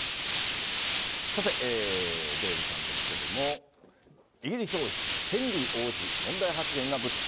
さて、デーブさんですけども、イギリス王室、ヘンリー王子、問題発言が物議。